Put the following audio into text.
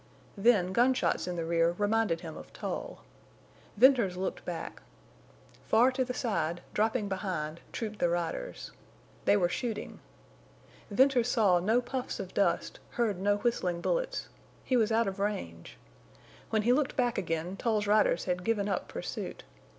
Then gunshots in the rear reminded him of Tull. Venters looked back. Far to the side, dropping behind, trooped the riders. They were shooting. Venters saw no puffs or dust, heard no whistling bullets. He was out of range. When he looked back again Tull's riders had given up pursuit.